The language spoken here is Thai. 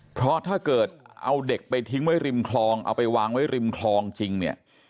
เพราะถ้าเกิดเอาเด็กไปทิ้งไว้ริมคลองเอาไปวางไว้ริมคลองจริงเนี่ย